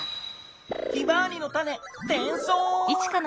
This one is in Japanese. ヒマワリのタネてんそう。